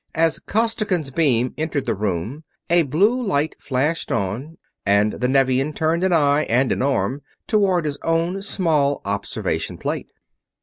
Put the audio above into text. As Costigan's beam entered the room a blue light flashed on and the Nevian turned an eye and an arm toward his own small observation plate.